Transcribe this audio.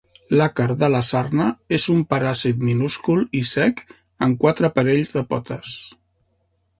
L'àcar de la sarna és un paràsit minúscul i cec amb quatre parells de potes.